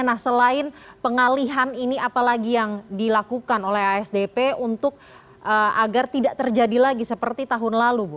nah selain pengalihan ini apalagi yang dilakukan oleh asdp untuk agar tidak terjadi lagi seperti tahun lalu bu